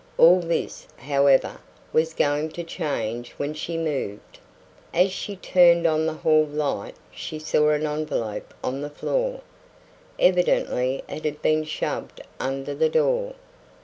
All this, however, was going to change when she moved. As she turned on the hail light she saw an envelope on the floor. Evidently it had been shoved under the door.